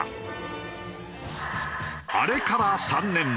あれから３年。